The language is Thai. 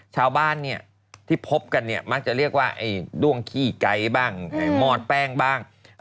ชาวบ้านที่พบกันมากจะเรียกว่าด้วงขี้ไก๋บ้างมอดแป้งบ้าง